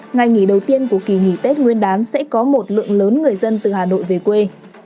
ngày nghỉ đầu tiên của kỳ nghỉ tết nguyên đán sẽ có một lượng lớn người dân từ hà nội về quê